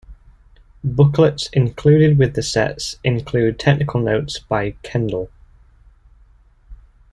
Booklets included with the sets include Technical Notes by Kendall.